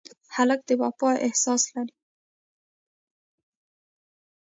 هلک د وفا احساس لري.